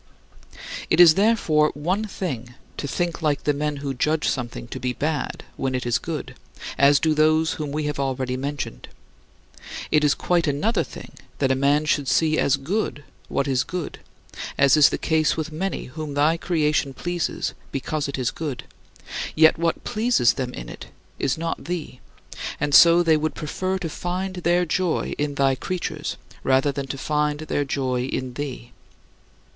It is, therefore, one thing to think like the men who judge something to be bad when it is good, as do those whom we have already mentioned. It is quite another thing that a man should see as good what is good as is the case with many whom thy creation pleases because it is good, yet what pleases them in it is not thee, and so they would prefer to find their joy in thy creatures rather than to find their joy in thee.